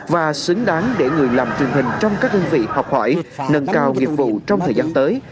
và xứng đáng để người làm truyền hình trong các đơn vị học hỏi nâng cao nghiệp vụ trong thời gian tới